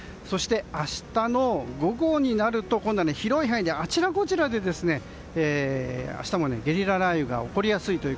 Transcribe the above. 明日の午後になると今度は広い範囲であちらこちらで明日もゲリラ雷雨が起こりやすい。